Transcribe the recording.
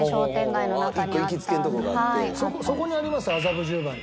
そこにあります麻布十番に。